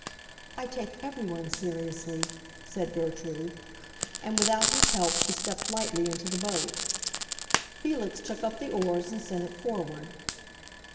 "I take everyone seriously," said Gertrude. And without his help she stepped lightly into the boat. Felix took up the oars and sent it forward.